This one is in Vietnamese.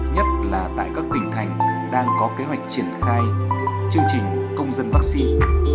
nhất là tại các tỉnh thành đang có kế hoạch triển khai chương trình công dân vắc xin